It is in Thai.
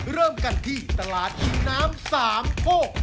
เริ่มกันที่ตลาดอิ่มน้ำสามโคก